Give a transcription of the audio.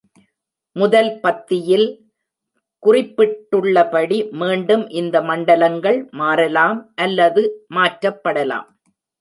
முதல் பத்தியில் குறிப்பிட்டுள்ளபடி மீண்டும் இந்த மண்டலங்கள் மாறலாம் அல்லது மாற்றப்படலாம்.